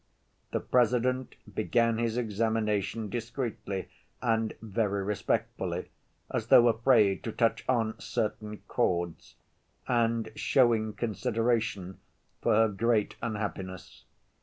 The President began his examination discreetly and very respectfully, as though afraid to touch on "certain chords," and showing consideration for her great unhappiness.